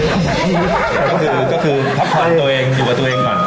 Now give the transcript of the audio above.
ก็คือก็คือพักผ่อนตัวเองอยู่กับตัวเองก่อน